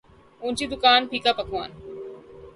اونچی دکان پھیکا پکوان